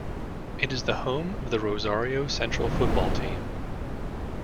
It is the home of the Rosario Central football team.